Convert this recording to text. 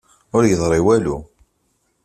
Ur yeḍṛi walu.